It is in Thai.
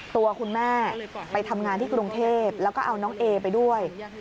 ตัวคุณแม่ไปทำงานที่กรุงเทพแล้วก็เอาน้องเอไปด้วย